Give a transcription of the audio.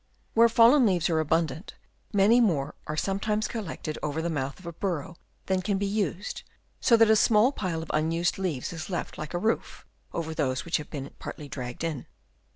Where fallen leaves are abun dant, many more are sometimes collected over the mouth of a burrow than can be used, so that a small pile of unused leaves is left like a roof over those which have been partly dragged in.